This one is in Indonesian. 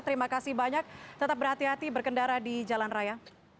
terima kasih banyak tetap berhati hati berkendara di jalan raya